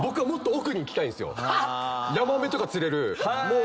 ヤマメとか釣れるもう。